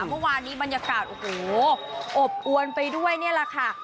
เมื่อวานนี้บรรยากาศโอ้โหอบอวนไปด้วยนี่แหละค่ะ